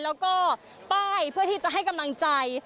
แล้วก็ป้ายเพื่อที่จะให้กำลังใจ